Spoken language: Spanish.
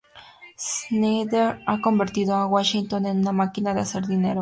Snyder ha convertido a Washington en una máquina de hacer dinero.